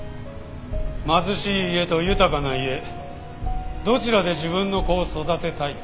貧しい家と豊かな家どちらで自分の子を育てたいか。